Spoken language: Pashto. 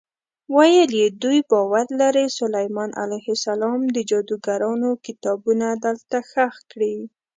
ویل یې دوی باور لري سلیمان علیه السلام د جادوګرانو کتابونه دلته ښخ کړي.